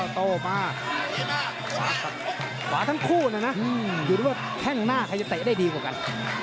โตออกมาขวาทั้งคู่นะนะอยู่ที่ว่าแข้งหน้าใครจะเตะได้ดีกว่ากัน